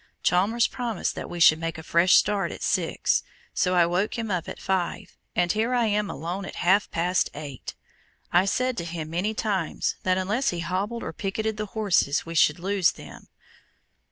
Chalmers promised that we should make a fresh start at six, so I woke him up at five, and here I am alone at half past eight! I said to him many times that unless he hobbled or picketed the horses, we should lose them.